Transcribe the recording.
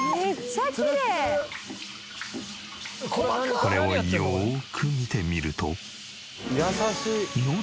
これをよーく見てみると。